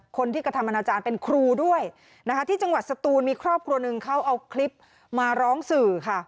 คนที่กระทำอนาจารย์เป็นครูด้วยนะคะที่จังหวัดสตูนมีครอบครัวหนึ่งเขาเอาคลิปมาร้องสื่อค่ะ